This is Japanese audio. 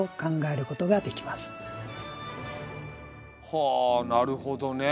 はあなるほどね。